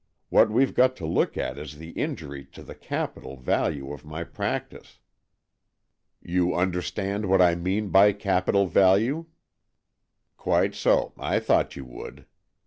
What we've got to look at is the injury to the capital value of my practice. You understand what I mean by capital value ? Quite so, I thought you would.